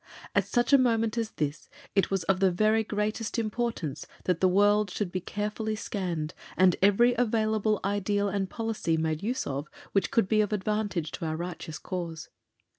At such a moment as this it was of the very greatest importance that the world should be carefully scanned, and every available ideal and policy made use of, which could be of advantage to our righteous cause.